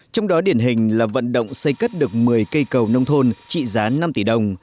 trong đó điển hình là vận động xây cất được một mươi cây cầu nông thôn trị giá năm tỷ đồng